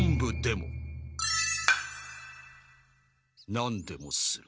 何でもする。